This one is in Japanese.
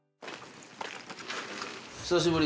久しぶり。